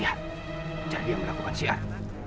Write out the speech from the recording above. lihat cara dia melakukan siat